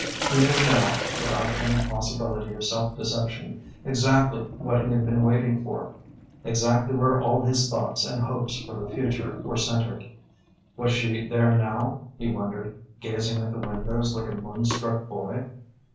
He knew now, without any possibility of self deception, exactly what he had been waiting for, exactly where all his thoughts and hopes for the future were centered. Was she there now, he wondered, gazing at the windows like a moon struck boy.